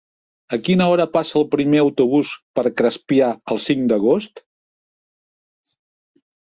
A quina hora passa el primer autobús per Crespià el cinc d'agost?